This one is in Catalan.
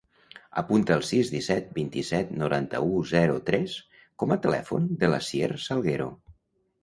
Apunta el sis, disset, vint-i-set, noranta-u, zero, tres com a telèfon de l'Asier Salguero.